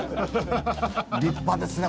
立派ですね